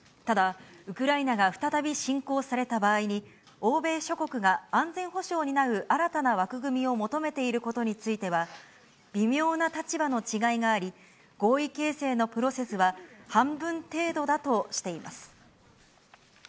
ただ、ウクライナが再び侵攻された場合に、欧米諸国が安全保障を担う新たな枠組みを求めていることについては、微妙な立場の違いがあり、合意形成のプロセスは半分程度だとしています。